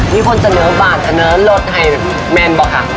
มีคนจะเนื้อบ่านเนื้อรถให้แม่นเปล่าคะ